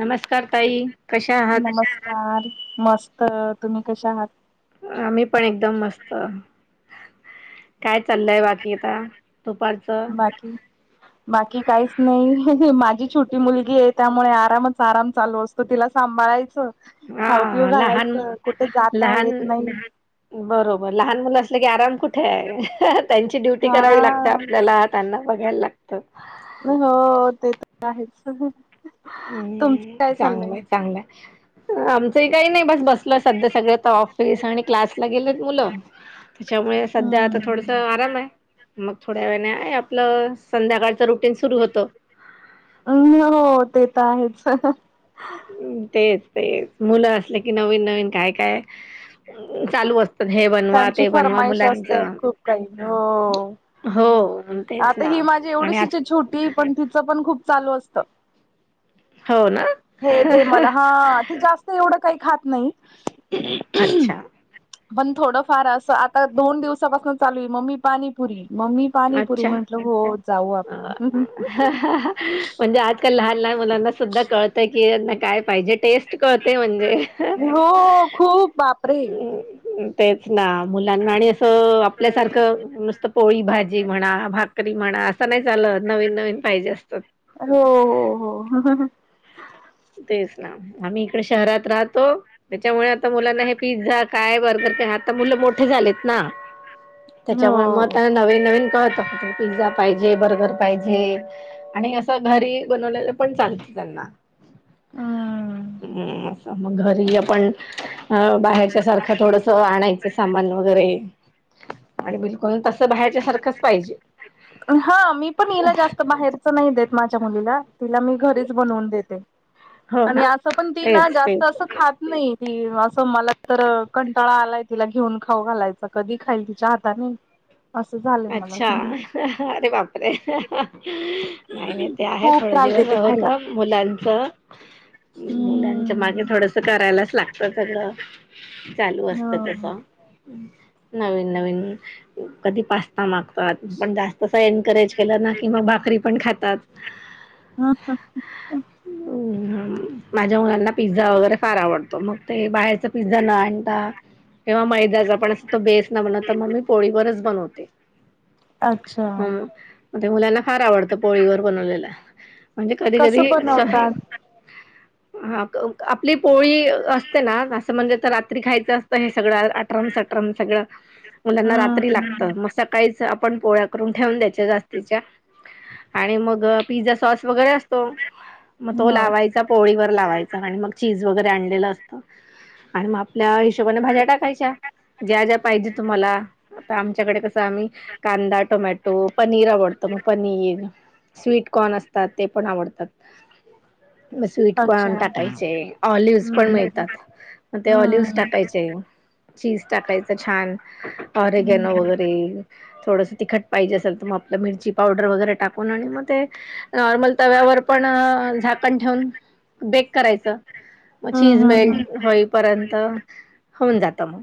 नमस्कार, ताई कशा आहात? छान मस्त. तुम्ही कशा आहात? आम म्ही पण एकदम मस्त. काय चाललंय बाकी आता दुपार बाकी बाकी काहीच नाही माझी छोटी मुलगी आहे त्या मुळे आरामच आराम चालू असतो तिला सांभाळायचं. खाऊ पिऊ हा लहान घालायचं कुठे जाता लहान येत नाही. बरोबर लहान मुलं असलं की आराम कुठे आहे त्यांची ड्युटी करावी लागते हा आपल्याला. त्यांना बघायला लागत. हो ते तर आहेच. तुमचं हम्म काय चाललंय चांगलंय चांगलंय आमचंही काही नाही बस बस सध्या सगळ तर ऑफिस आणि क्लासला गेलेत मुलं. त्याच्यामुळे सध्या आता थोडस हम्म आराम आहे. मग थोड्या वेळाने आपलं संध्याकाळचं रुटीन सुरू होतं. हम् हो ते तर आहेच. ् तेच तेच मुलं असले कि नवीन नवीन काय काय चालू असत त्यांची फरमाईश असते खूप काही हो. हो तेच आता ना ही माझी आणि आज एवढीशिच आहे छोटी पण तिचं पण खूप चालू असतं. हो ना हे दे मला हा ते जास्त एवढं काही खात नाही. अच्छा. थोडं फार असं आता दोन दिवसापासून चालू आहे मम्मी पाणीपुरी मम्मी पाणीपुरी अच्छा म्हंटलं हो जाऊ आपण. म्हणजे आजकाल लहान लहान मुलांना सुद्धा कळतय कीना काय पाहिजे टेस्ट करते म्हणजे. हो खूप बापरे तेच ना मुलांना आणि असं आपल्यासारखं नुसतं पोळी भाजी म्हणा भाकरी म्हणा असं नाही चाल नवीन नवीन पाहिजे असतात. हो हो. तेच ना आम्ही इकडे शहरात राहतो त्याच्यामुळे आता मुलांना हे पिझ्झा काय बर्गर आता मुलं मोठे झालेत ना. त्याच्यामुळे म हो त्याना नवीन नवीन कळत असते. पिझ्झा पाहिजे बर्गर पाहिजे आणि असं घरी बनवलेलं पण चालतं त्यांना. ह [unintelligible] ् मग घरी आपण अ बाहेरच्या सारखं थोडस आणायचं सामान वगैरे आणि बिलकुल तस बाहेरच्या सारखंच पाहिजे. हा मी पण हिला जास्त बाहेरच नाही देत माझ्या मुलीला. तिला मी घरीच बनवून देते हो ना आणि असं पण तिला तेच जास्त तेच असं खात नाही त असं मला तर कंटाळा आलाय तिला घेऊन खाऊ घालायचं कधी खाईल तिच्या हाताने ह असं झालं अच्छा अरे बापरे अरे नाही नाही ते आहे खूप थोडे त्रास दिवस देते होत. खायला. मुलांच मुलांच मागे हम्म थोडंसं करायलाच लागतं सगळं चालू असतं हो तसं नवीन नवीन कधी पा गतो पण जास्त अस एंड करायचं. केलं ना कि मग भाकरी पण खातात. ह माझ्या मुलांना पिझ्झा वगैरे फार आवडतो मग ते बाहेरचा पिझ्झा न आणि किंवा मैदाचा पण असं तो बेस न बनवत तर मग मी पोळीवरच बनवते. अच्छा. ह ते मुलांना फार आवडतं पोळीवर बनवलेला. म्हणजे कधी कसं कधी बनवतात? हा आपली पोळी असते ना असं म्हणजे तर आ खायचं असत हे सगळं आठरम सटरम सगळं मुलांना रात्री हम्म लागतं. आपन पोळ्या करुन ठेवून द्यायच्या जास्तीच्या आणि मग पिझ्झा सॉस वगैरे असतो मग तो हो लावायचा पोळी वर लावायचं आणि मग चीज वगैरे आणलेलं असतं आणि मग आपल्या हिशोबाने भाज्या टाकायच्या ज्या ज्या पाहिजे तुम्हाला आता आमच्याकडे कसं आम्ही कांदा टोमॅटो पनीर आवडतो मग पनीर स्वीटकॉन असतात ते पण आवडतात. मग स्वीट अच्छा कॉर्न टाकायचे ऑलिव्हज पण हम्म मिळतात. मग ते ऑलिव्हस हम्म टाकायचे चीज टाकायचं छान ऑरेगेन हम्म वगैरे ते थोडंसं तिखट पाहिजे असेल तर मग आपलं मिरची पावडर वगैरे टाकून आणि मग ते नॉर्मल तव्यावर पण झाकण ठेवून बेक करायचं मग चचीज हम्म मेट हम्म होय पर्यंत होऊन जातं मग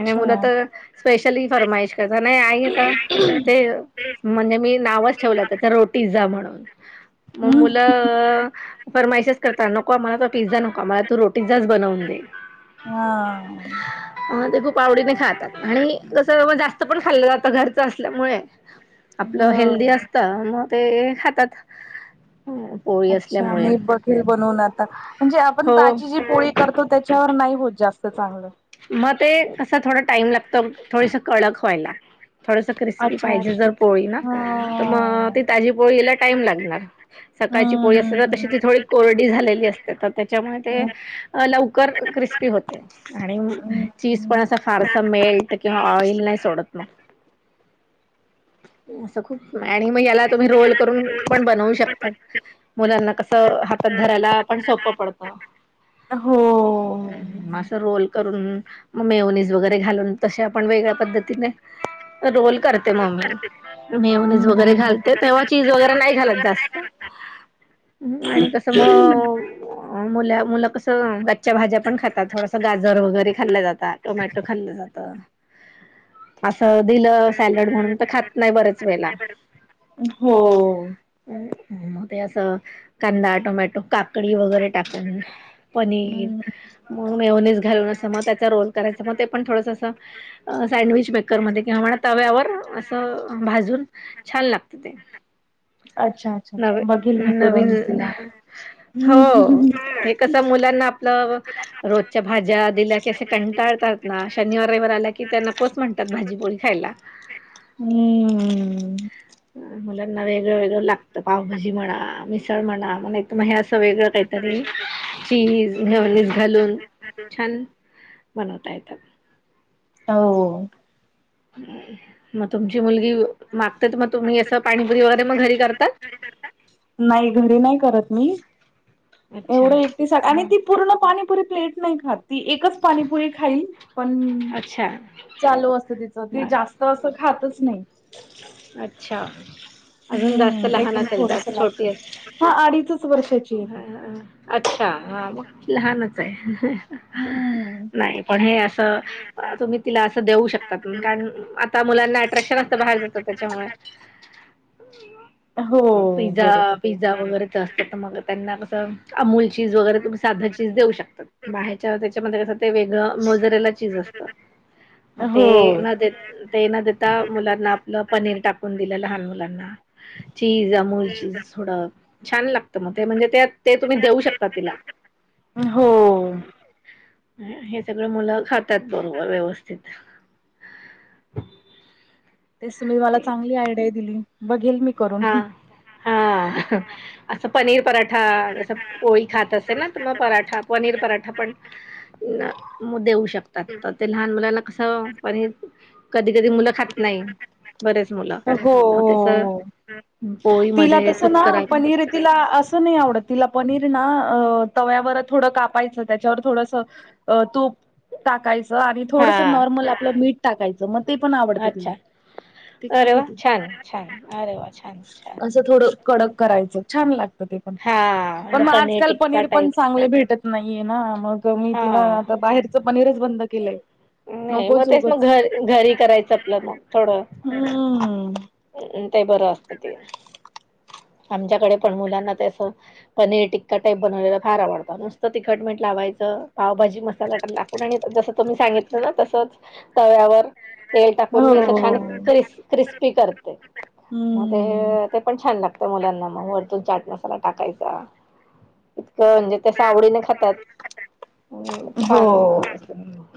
आणि मुलं तर पेस्ट फ्री फर्मास कसं नाही आहे ते म्हणजे मी नावच ठेवल तसं त्या रोटी जा म्हणून मग हम्म मुलं फरमाशच करता नको मला तो पिझ्झा नको मला तु रोटी जा बनवून दे. हा अ ते खूप आवडीने खातात आणि कसं मग जास्त पण खाल्लं जातं घरच असल्यामुळे आपलं हो हेल्दी असतं मग ते खातात पोळी अच्छा असल्यामुळे मी बघेल बनवून आता म्हणजे आपण हो ताजी जी पोळी करतो त्याच्यावर नाही होत जास्त चांगलं मग ते असं थोडा टाइम लागतो थोडस कडक सयला थोडस क्रिस्पी अच्छा पाहिजे अच्छा जर अच्छा. पोळी ना हा तर मग ती ताजी पोळी यायला टाइम लागणार सकाळची हम्म पोळी असते तर हम्म तशी ती हम्म. थोडी कोरडी झालेली असते तर त्याच्यामुळे ते लवकर क्रिस्पी होते. आणि हो. चीज पण असं फारसा मेल्ट किंवा ऑइल नाही सोडत मग असं खूप आणि मग याला तुम्ही रोल करून पण बनवू शकतात मुलांना कसं हातात धरायला आपण सोपं पडतं अ अ असं रोल करून मग मेवनीज वगैरे घालून तसे आपण वेगळ्या पद्धतीने रोल करते नतायतर मेवनीज वगैरे घालते तेव्हा चीज वगैरे नाही घालत जास्त आणि कसं मग मु मुलं कसं च्या भाज्या पण खातात थोडस गाजर वगैरे खाल्ल्या जातात टोमॅटो खाल्लं जात असं दिलं सॅलड म्हणून तर खात नाही बरच वेला हो. मग ते असं कांदा टोमॅटो काकडी वगैरे टाकून पनीर हम्म मग मेओनीस घालून असं मग त्याचा रोल करायच मग ते पण थोडस सँडविच मेकर मध्ये किंवा म्हणा तव्यावर असं भाजून छान लागत ते अच्छा अच्छा अच्छा बघेल मी करून नवीन तिला. हम्म हो हे हम्म कस मुलांना लाव रोजच्या भाज्या दिल्या की असे कंटाळतात ना शनिवारावर आल्या की त्यांना कोस म्हणतात भाजीपोळी खायला हम्म मुलांना वेगळं वेगळं लागतं पावभाजी म्हणा मिसळ म्हणा म्हण हे मग असं वेगळं काहीतरी चीज घेवनीस घालून छान बनवता येतल हो मग तुमची मुलगी मागते मग तुम्ही असं पाणीपुरी वगैरे मग घरी करतात नाही घरी नाही करत मी अच्छा एवढं एक त साठ आणि बर ती पूर्ण पाणीपुरी प्लेट नाही खात ती एकच पाणीपुरी खाईल पण अच्छा चालू असत तिच ती बर जास्त असं खातच नाही अच्छा अजून जास्त हम्म लहान एकदम असेल थोडस जास्त लागत छोटी हा अडीचच वर्षाची आहे ती. अच्छा हा मग लहानच आहे हम्म नाही पण हे असं तुम्ही तिला असं देऊ शकतात कारण आता मुलांना अट्रॅक्शन असतं बाहेर जातं त्याच्यामुळे ह हो झा बरोबर. पिझ्झा वगैरेच असतात तर मग त्यांना कसं अमूल त्या ते हो न ते न देता मुलांना आपलं पनीर टाकून दिलं लहान मुलांना चचीज अमूरचीज थोडं छान लागत मग ते म्हणजे ते ते तुम्ही देऊ शकता तिला हो हे सगळ मुलं खातात बरोबर व्यवस्थित तेच तुम्ही मला तेच. चांगली आयडिया दिली बघेल मी करून हा हा असं पनीर पराठा ज पोळी खात असेल ना तर मग पराठा पनीर पराठा पण देऊ शकतात तर ते लहान मुलांना असं पण कधी कधी मुलं खात नाही बरेच मुलं मग त्यास हो तिला पोळीमध्ये तस कुच ना करा पनीर तिला असं नाही आवडत तिला पनीर ना तव्यावर थोडं कापायचं त्याच्यावर थोडस तूप टाकायचं आणि थोडस हा नॉर्मल आपलं मीठ टाकायचं मग ते पण आवडत तिला अच्छा ते अरे खाते वा त छान छान अरे वा छान छान असं थोड कडक करायच छान लागत ते पण हा पण म्हणजे मग आजकाल टिक्का पनीर पण टाईप चांगले भेटत नाहीये ना मग मी तिला हा आता बाहेरच पनीरच बंद केलंय नाही नको मग तेच मग सोगंच घर घरी करायचं आपलं नाग थोडं हम्म अ ते बरं असत ते आमच्याकडे पण मुलांना त्यास पनीर टिक्का टाईप बनवलेला फार आवडतं नसत तिखटेंट लावायचं पावभाजी मसाला टाकून आणि जसं तुम्ही सांगितलं ना तसच तव्यावर तेल टाकून मी असं हो. छान क्रि क्रिस्पी करते मग ते हम्म ते पण छान लागत मुलांना मग वरतून चाट मसाला टाकायचा इतकं म्हणजे त्या सावडीने खातात हम् हो. छान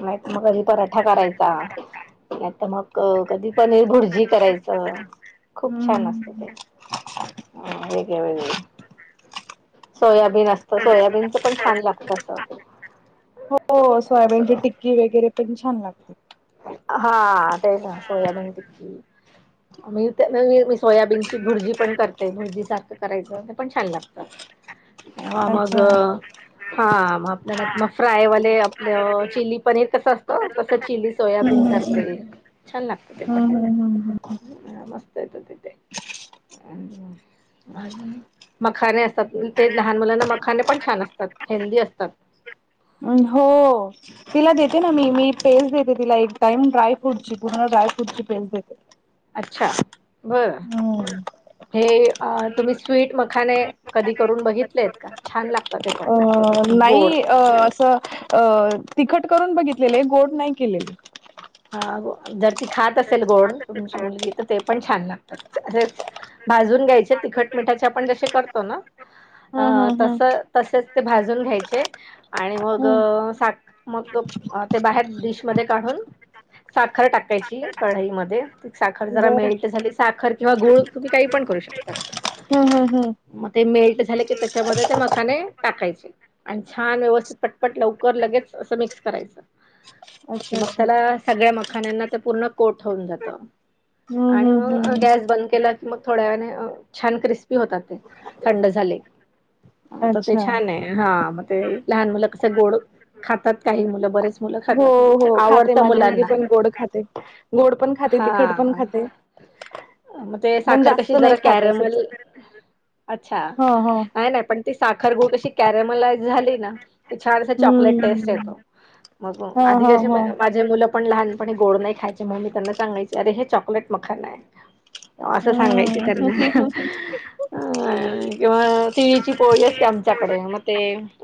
नाहीत मग घध पराठा करायचा नाही तर मग अ कधी पनीर भुर्जी करायचं खूप छान असत हम्म ते ह वेगय वेग आहे सोयाबीन असतं सोयाबीनचं पण छान लागत असं हो सोयाबीनची टिक्की वगैरे पण छान लागते हा तेच सोयाबीन टिक्की मी मी सोयाबीन भुरजी पण करते भुरजी सारखं करायचं पण छान लागत तेव्हा मग अच्छा हा मग आपल्याला मग फ्रायवाले आपलं चिली पनीर कसं असतं कसं चिली हम्म छ हम्म प हम्म मस्त ऐतातथ तेज मखाने असतात ते लहान मुलांना मखाने पण छान असतात हेल्दी असतात हो तिला देते ना मी मी पेस् देते तिला एक टाइम ड्रय फ्रूटची पुन्हा अच्छा ड्रय फ्रूटची पेज देते अच्छा बरं हम्म हे तुम्ही ट्विट मखाने कधी करून बघितलेत का छान लागत अ नाहीई अ असं अ तिखट करून बघितलेलं आहे गोड नाही केलेले ह जर ती खात असेल गोड तुमची मुलगी तर ते पण छान लागतात असेच भाजून घ्यायचे तिखट मिठाचे आपण जसे करतो ना हम्म अ हम्म हम्म तस तसेच ते भाजून घ्यायचे आणि मग हम्म साक मग ते बाहेर डिशमध्येध्ये काढून साखर टाकायची कढईमध्ये साखर जरा बरं मिळेल तर झा साखर किंवा गुळ तुम्ही काही पण करू शकताात हम्म हम्म हम्म मग ते मेल्ट झाले की त्याच्यामध्ये ते मकाने टाकायचे आणि छान व्यवस्थित पटपट लवकर लगेच असं मिक्स करायचं कि अच्छा मग अच्छा. त्याला सगळ्या मखान पूर्ण को होन जात हम्म हम्म हम्म हम्म के की मग थोड्या छान क्रिस्पी होतात ते थंड झाले ह तर ते अच्छा. छान आहे हा मग ते लहान मुलं कस गोड खातात काही मुलं बरेच मुलं हो खातात हो खाते आवडतं माझी मुगे मुलांना पण गोड खाते गोड पण खाते हा तिखट पण खाते मग ते पण साखर जास्त कशी नाही जरा खात असंच. कॅरमल अच्छा हा हा नाही नाही पण ती साखर गुळ कशी कॅरेमलाइज झाली ना छान अस चॉकलेट टेस्ट हम्म येतो मग हा हा आधी ज हा. माझे मु पण लहानपणी गोड नाही खायचे म्हग मी त्यांना सांगायचे अरे हे चॉकलेट मखन आहे असं सांगायच हम्म त्यांना अ किंवा तिळीची पोळी असते आमच्याकडे मग ते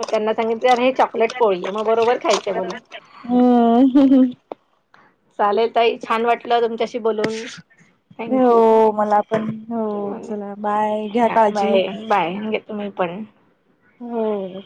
त्यांना सांगितलं अर हे चॉकलेट पोळी मग बरोबर खायचय मला हम चालेल तई छान वाटलं तुमच्याशी बोलून थँक्यू हो मला पण हो चला बाय घ्या काळजी. बाय बाय तुम्ही पण होम्